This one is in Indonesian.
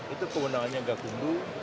itu keundangannya gakundu